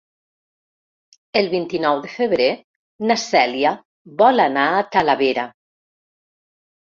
El vint-i-nou de febrer na Cèlia vol anar a Talavera.